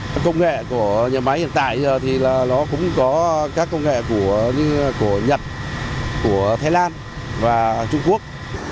các công nghệ của nhà máy hiện tại cũng có các công nghệ của nhật thái lan và trung quốc